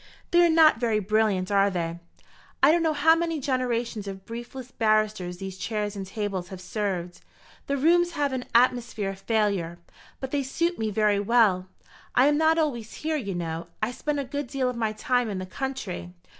"They are not very brilliant, are they? I don't know how many generations of briefless barristers these chairs and tables have served. The rooms have an atmosphere of failure; but they suit me very well. I am not always here, you know. I spend a good deal of my time in the country."